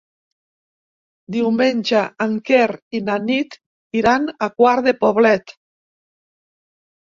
Diumenge en Quer i na Nit iran a Quart de Poblet.